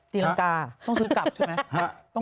ตีรังกาต้องซื้อกลับใช่ไหม